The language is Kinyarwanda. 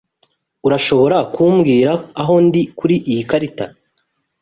Urashobora kumbwira aho ndi kuriyi karita?